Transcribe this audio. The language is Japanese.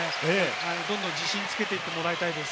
どんどん自信をつけていってもらいたいです。